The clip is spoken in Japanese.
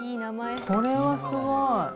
これはすごい。